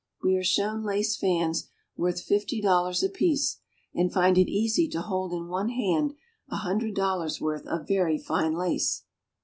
We are shown lace fans worth fifty dollars apiece, and find it easy to hold in one hand a hundred dollars' worth of very fine lace.